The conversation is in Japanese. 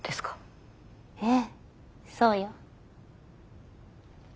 ええそうよ。